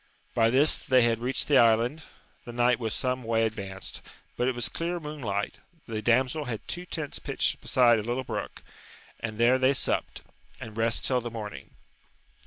By this they had reached the island ; the night was some way advanced, but it was clear moonlight, the damsel had two tents pitched beside a little brook, and there they supped, and rested tiU the morning.